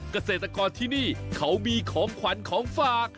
เกษตรกรที่นี่เขามีของขวัญของฝาก